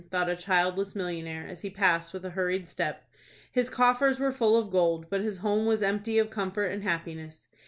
thought a childless millionaire, as he passed with a hurried step. His coffers were full of gold, but his home was empty of comfort and happiness.